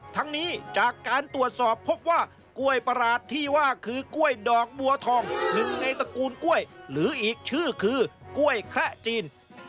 ทั้งนี้จากการตรวจสอบพบว่ากล้วยประหลาดที่ว่าคือกล้วยดอกบัวทองหนึ่งในตระกูลกล้วยหรืออีกชื่อคือกล้วยแคละจีน